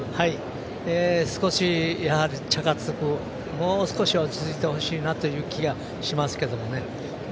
もう少し落ち着いてほしいなという気がしますけどね。